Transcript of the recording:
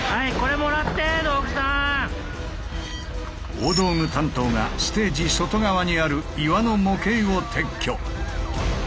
大道具担当がステージ外側にある岩の模型を撤去。